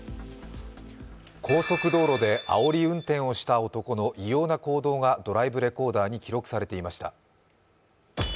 高速道路であおり運転をした男の異様な行動がドライブレコーダーに記録されていました。